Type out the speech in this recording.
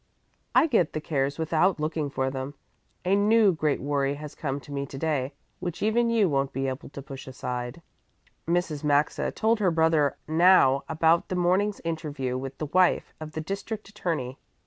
I get the cares without looking for them. A new great worry has come to me to day, which even you won't be able to just push aside." Mrs. Maxa told her brother now about the morning's interview with the wife of the district attorney.